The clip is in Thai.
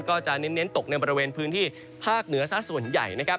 ก็จะเน้นตกในบริเวณพื้นที่ภาคเหนือซะส่วนใหญ่นะครับ